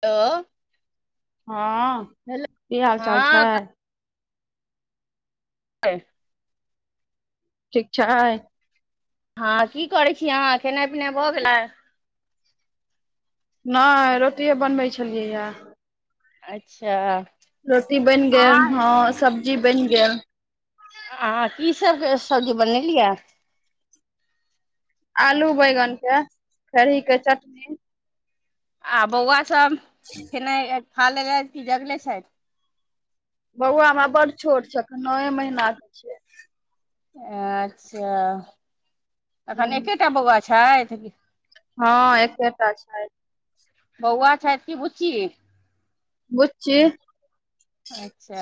तऽ हँ की हाल चाल छै। हँ ह ठीक छैइ हँ की करैइ छी, अहाँ खेनाइ पिनाइ भऽ गेलै। नय रोटिए बनबै छलियैए अच्छा रोटी बइन गेल अहाँ हँ सब्जी बइन गेल आहाँ की सब के सब्जी बनेलियै। आलू बैगन के खेरही के चटनी आ बौआ सब [unintelligible] खेनाइ खा लेलैथ कि जगले छइथ? बौआ हमरा बड़ छोट छ अखन नए महीना के छय। अच्छा एखन हूँ, एकेटा बौआ छैथ? हँ एकेटा छैथ। बौआ छैथ कि बुची? बुच्ची अच्छा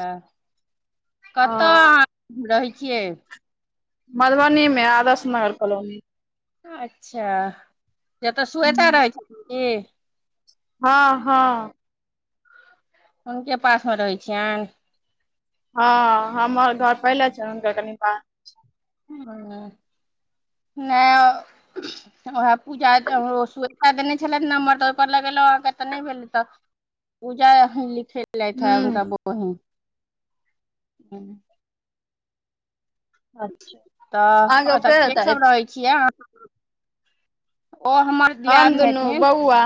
हँ कतऽ आँहा? रहैय छियै। मधुबनी में आदर्श नगर कॉलोनी। अच्छा जतऽ स्वेता हूँ, रहै छैथ की? हँ हँ। हुनके पास मे रहै छियेन? हँ हमर घर पहिले छे हुनकर कनि बाद में। ह नैय। उएह पूजा ऐते हमरो स्वेता देने छेलैथ नम्बर तऽ ओहिपर लगेलहुं अहाँके तऽ नहि भेल तऽ। पूजा अखेन लिखे लैथ उनका हूँ बहिन। अच्छा अहाँके तऽ ओ ओत के सब हेतैथ रहै छियैह ओ हमर हम दियादनी दुनू बौआ।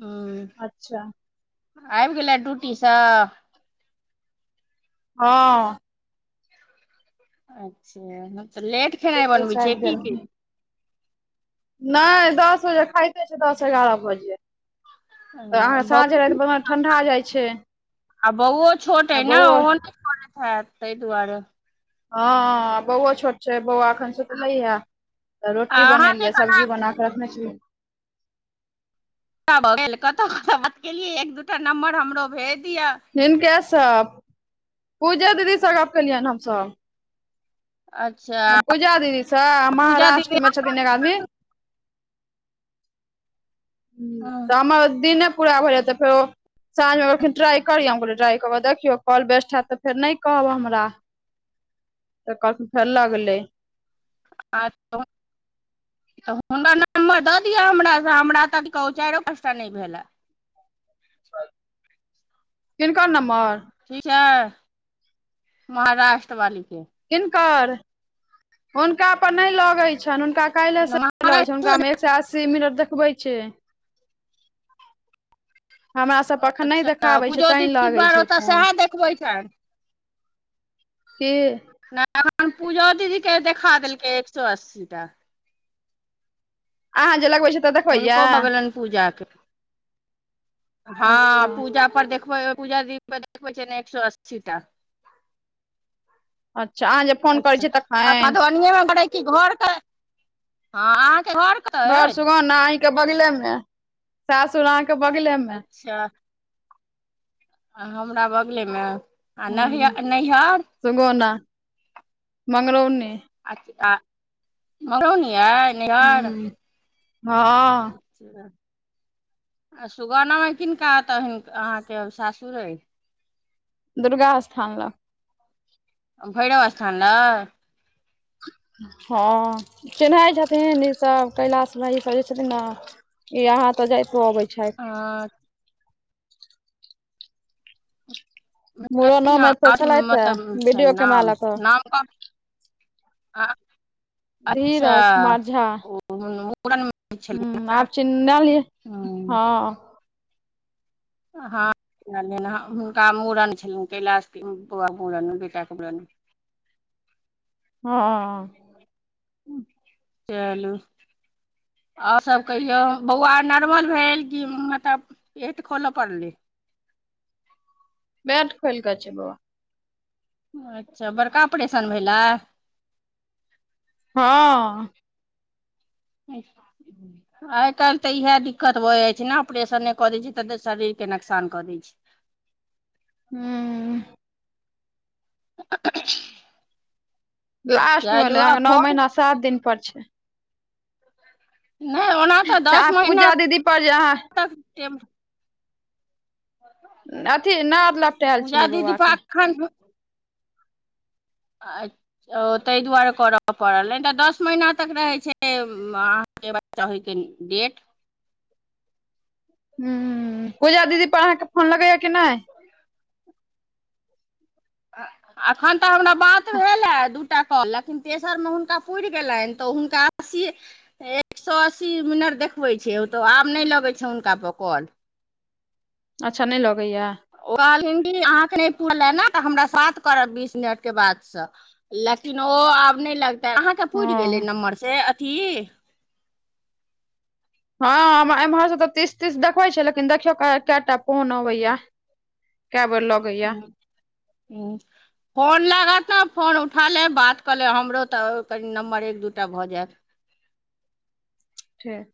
ह। अच्छा। आइब गेलैथ ड्यूटीसँ? हँ। अच्छा तऽ लेट खेनाइ ब्रिटिश बनबै छियै की? नैय दस बजे खाइते छै दस एगारह बजे। तऽ अहाँ ब साँझ राति बना ठंडा जाइ छै आ बौओ छोट आ एइ ने बौओ ओहो कनैत हेत ताहि दुआरे। हँ बोओ छोट छै बोआ खन सुतले ये तऽ आ रोटी अहाँके बनेलियै सब्जी केना बना क रखने छी। तब गेल कतहु कत बात केलियै एक दूटा नम्बर हमरो भेज दिय। हिनके सब पूजा दीदी सऽ गप केलियनि हमसब। अच्छा पूजा दीदीसँ अऽ पूजा महाराष्ट्रमे छथिन एक आदमी। ह्म्म तऽ दीदी हमर दिने पूरा भऽ जेतै तऽ फेरो साँझमे एखन ट्राई करियो हम कहलियई कऽ कऽ देखियौ कॉल बेस्ट हयत तऽ फेर नहि कहब हमरा। तऽ [inaudible] लगलै आ बहुत। तऽ हुनका नम्बर दऽ दिअ हमरा हमरा तऽ कहु चारि पाँचटा नहि भेलए। किनकर नम्बर? ठीक है महाराष्ट्र वाली के। किनकर हुनका पर नहि लगैत छनि हुनका काइले स छै महाराष्ट्र हुनका मे एक स अस्सी मिनट देखबै छै। हमरा सभप एखन नहि देखाबै छै पूजो तै दीदी लगै पर छै ओतऽ फोन। सएह देखबै छनि के? नहि एखन पूजो दीदी के देखा देलकै एक सए अस्सी टा। आहाँ जे लगबइ छे। हुनको भगलेइन पूजा के। हँ अच्छा पूजा पर देखबै पूजा दीदी पर देखबै छै ने एक सए अस्सी टा। अच्छा अहाँ जे फोन करै अच्छा छियै आत तखन धोअनिये मे बढ़ैत। इ घर करय हाँ आहाँ के घर। कतऽ घर अइ सुगौना अईं के बगले मे सासुर आहाँ के बगले में। अच्छा। आ हमरा बगले मे। ह्म नैहर नैहर सुगौना मंगरौनी। अच्छा मंगरौनी अयइ नैहर हूँ हँ। आ सुगैना में किनका ओत अहन अहाँके सासुर अइ। दुर्गा स्थान लग। भैरव स्थान लग। हँ चिन्है छथिन ईसभ कैलाश भाइजी सब जे छथिन न। यहाँ तऽ जाइतो अबै छैत। हाँ। मुड़नोमे ककीना तऽ आर छलथि हे मतलब छैन वीडियो कैमरा लऽ नाम कऽ नाम ह अह अच्छा। धीरज कुमार झा उपड़न मे छलखिन हूँ आब चिन्हलियै हे ह। हँ हँ हुनका मुंड़न छलनि कैलाश बौआ मुंड़न बेटाके मुंड़न। ह। चलु। आओर सब कहियौ बौआ नॉर्मल भेल कि मतलब। पेट खोला पड़लै। पेट खोलक छै बौआ। अच्छा बड़का ऑपरेशन भेलै। हँ। आइ काल्हि त इएह दिक्कत भ जाइ छै न ऑपरेशने कऽ दै छै तैत शरीरके नोकसान कऽ दै छै। हू। [inaudible] लास्ट मे चलू भेलै आ अहाँके नौ फोन महीना सात दिन पर छै। नहि ओना तऽ दस आब महिना पूजा दीदी पर जे अहाँ तक टेम अथि नाप लपटाएल पूजा छलै बौआ के। [inaudible] [unintelligible] ओ तैइ दुआरे कर पड़ल नै त दस महीना तक रहै छै उम अहाँके बच्चा होइके। डेट। ह्म पूजा दीदी पर अहाँके फोन लगैया कि नहि। अखन तऽ हमरा बात ह [inaudible] भेल हे दूटा कहलखिन तेसर मे हुनका पुरि गेलन त हुनका अस्सी एक सौ अस्सी मिनट देखबै छै ओ तो आब नहि लगैत छै हुनका पर कल। अच्छा नहि लगैया। ओ कहलखिन कि अहाँके नहि पुरले ने त हमरा साथ करब बीस मिनट के बाद सँ। लेकिन ओ आब नै लगते अहाँके पुरि हँ गेलै नंबर से अथी। हँ एम्हर से तऽ तीस तीस देखबै छै लेकिन देखियौ केटा फ़ोन अबैया। के बैर लग [inaudible] फोन लागत ने फोन उठा लेब बात कऽ लेब, हमरो तऽ कनि नम्बर एक दूटा भऽ जायत। ठीक।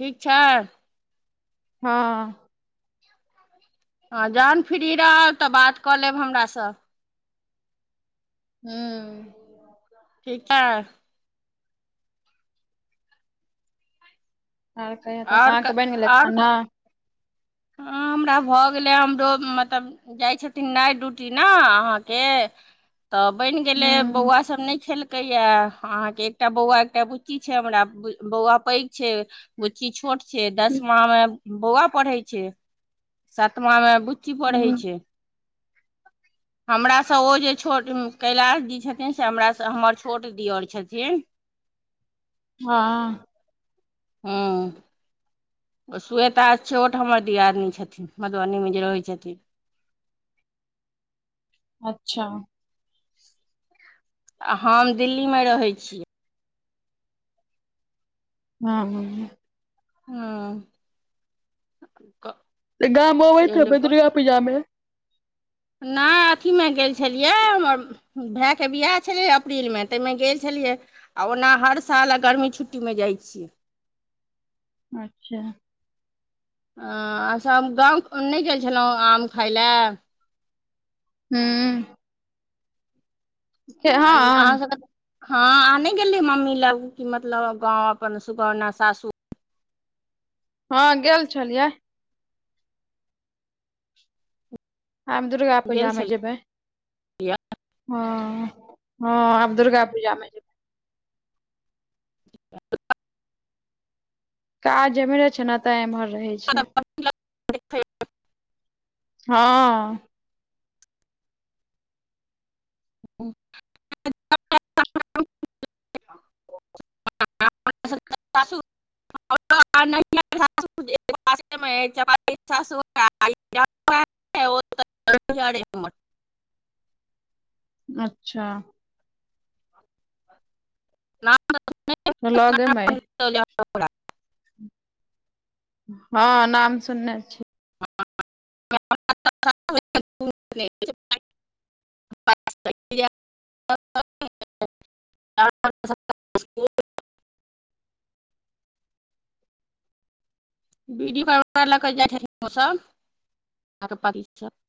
ठीक छै। हाँ। हँ, जहन फ्री रहब तऽ बात कऽ लेब हमरासँ। हुँ। ठीक छै। आर कहियो तहन, आओर आँहा के बनि गेलै खाना? हँ हमरा भऽ गेलै, हमरो मतलब जाइ छथिन नाइट ड्यूटी ने अहाँके। तऽ बनि गेलै, हूँ बौआ सब नहि खेलकै। क या अहाँके एकटा बौआ, एकटा बुच्ची छै हमरा, बौआ पैघ छै। बुच्ची छोट छै, दसमा मे बौआ पढ़ै छै। सतमा मे बुच्ची पढ़ै हूँ। छै। हमरासँ ओ जे छोट कैलाश जी छथिन, से हमरासँ हमर छोट दीयर छथिन। हाँ। हाँ। ओ श्वेता छोट हमर दियादनी छथिन, मधुबनीमे जे रहै छथिन। अच्छा! आ हम दिल्ली मे रहै छी। हँ, हाँ। हाँ। त गाम आबैत हेबे दुर्गा पूजामे? नहि अथीमे गेल छलियै, हमर भायके बियाह छलै अप्रिलमे, ताहिमे गेल छलियै। आ ओना हर साल आ गर्मी छुट्टीमे जाइत छियै। अच्छा! हं, अच्छा! गाम नहि गेल छलहुँ आम खााय लए? हू। अहाँ हँ सबके हँ, आहाँ नइ गेल रही मम्मी लग, की मतलब गांव अपन सुगौना सासू हँ गेल छलियै। आब दुर्गा गेल पूजा मे छलियै जेबै। हँ -हँ, आब दुर्गा पूजामे जेबै। [inaudible] काज इम्हरे छै ना ते इम्हर रहे छियै। हँ। ओ [inaudible] [inaudible] [unintelligible] [inaudible] े [unintelligible] अच्छा। [inaudible] लगेमे अइ। [inaudible] हँ नाम सुनने छी। [inaudible] [inaudible] [unintelligible] परिवार लऽ कऽ जाइ छथिन ओसभ [unintelligible]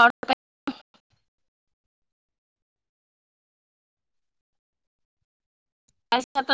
आओर बत [inaudible] [inaudible]